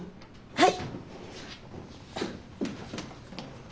はい。